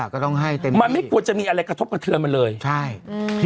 ก็ต้องให้เต็มที่มันไม่ควรจะมีอะไรกระทบกระเทือนมันเลยใช่อืม